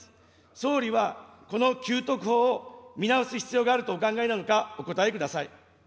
総理はこの給特法を見直す必要があるとお考えなのか、お答えください。